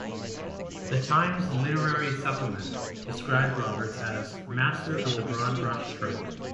"The Times Literary Supplement" described Roberts as "master of the broad brush-stroke".